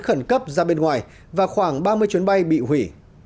khẩn cấp ra bên ngoài và khoảng ba mươi chuyến bay bị hủy